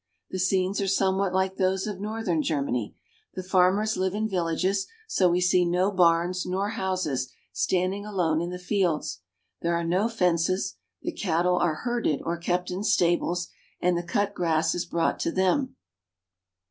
The scenes are somewhat like those of north ern Germany. The farmers live in villages, so we see no barns nor houses standing alone in the fields. There are no fences, the cattle are herded or kept in stables, and the cut grass is brought to them.